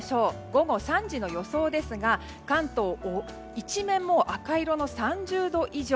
午後３時の予想ですが関東は、もう一面赤色の３０度以上。